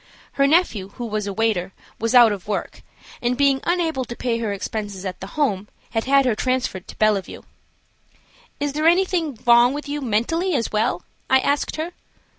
Her nephew, who was a waiter, was out of work, and, being unable to pay her expenses at the Home, had had her transferred to Bellevue. "Is there anything wrong with you mentally as well?" I asked her.